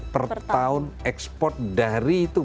per tahun ekspor dari itu